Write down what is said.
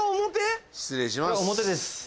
失礼します。